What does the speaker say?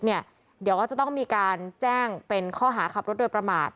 เดี๋ยวก็จะต้องมีการแจ้งเป็นข้อหาขับรถโดยประมาท